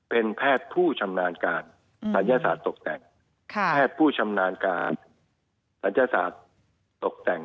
เป็นแพทย์ผู้ชำนาญการศัลยศาสตร์ตกแต่ง